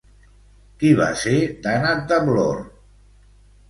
Qui va ser Dànat de Vlöre?